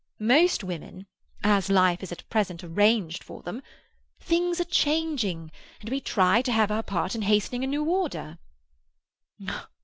"Most women—as life is at present arranged for them. Things are changing, and we try to have our part in hastening a new order."